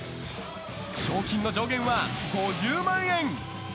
賞金の上限は５０万円。